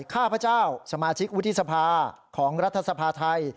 ข้าพเจ้าสมาชิกวุฒิสภาของรัฐสภาไทย